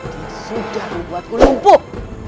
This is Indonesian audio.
dia sudah membuatku lumpuh